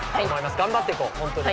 がんばっていこう本当に。